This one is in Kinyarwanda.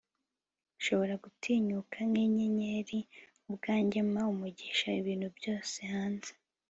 nshobora gutinyuka nkinyenyeri ubwanjye, mpa umugisha ibintu byose hanze